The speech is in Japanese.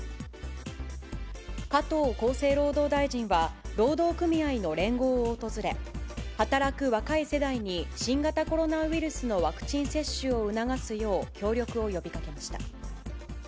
加藤厚生労働大臣は、労働組合の連合を訪れ、働く若い世代に新型コロナウイルスのワクチン接種を促すよう、協力を呼びかけました。